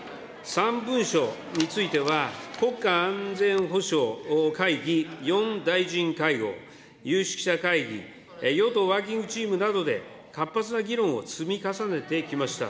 ３文書については、国家安全保障会議４大臣会合、有識者会議、与党ワーキングチームなどで、活発な議論を積み重ねてきました。